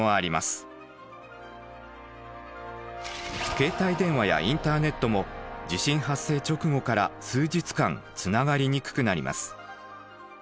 携帯電話やインターネットも地震発生直後から数日間つながりにくくなります。